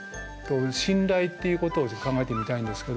「信頼」っていうことをちょっと考えてみたいんですけど。